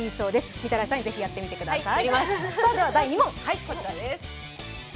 御手洗さん、ぜひやってみてください。